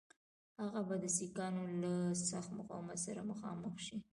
هغه به د سیکهانو له سخت مقاومت سره مخامخ شي.